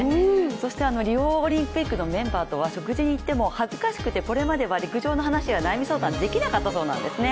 そしてリオオリンピックのメンバーとは食事に行っても恥ずかしくてこれまでは、陸上相談や悩み相談、できなかったそうなんですね。